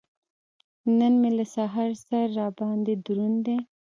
نن مې له سهاره سر را باندې دروند دی.